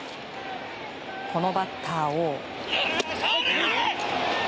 このバッターを。